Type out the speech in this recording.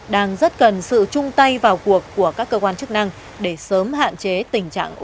đang rất cần sự chung tay vào cuộc của các cơ quan chức năng để sớm hạn chế tình trạng